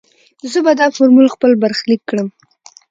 زه به دا فورمول خپل برخليک کړم.